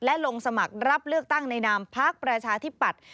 และลงสมัครรับเลือกตั้งในนามพักประชาธิปัตย์